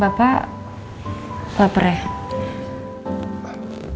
bapak lapar ya